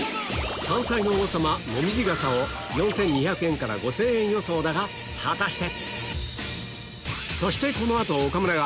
山菜の王様モミジガサを４２００円から５０００円予想だが果たして？